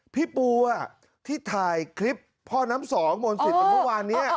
พี่ปูที่ถ่ายคลิปพ่อน้ำสองมนต์สิทธิ์เมื่อวานนี้